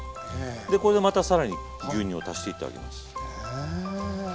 でこれでまた更に牛乳を足していってあげます。